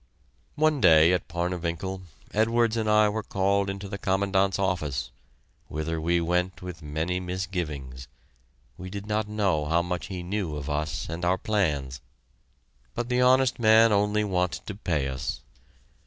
One day at Parnewinkel, Edwards and I were called into the Commandant's office, whither we went with many misgivings we did not know how much he knew of us and our plans. But the honest man only wanted to pay us.